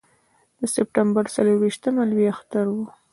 د سپټمبر څلرویشتمه لوی اختر و.